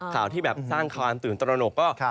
ข่าวที่แบบสร้างความตื่นตระหนกก็